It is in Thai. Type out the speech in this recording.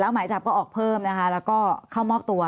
หมายจับก็ออกเพิ่มนะคะแล้วก็เข้ามอบตัว